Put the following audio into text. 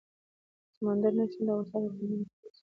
سمندر نه شتون د افغانستان د ټولنې لپاره بنسټيز رول لري.